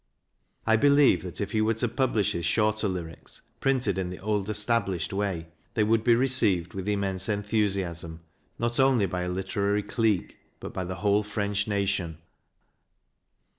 I believe that if he were to publish his shorter lyrics, printed in the old established way, they would be received with immense enthusiasm, not only by a literary clique but by the whole French nation.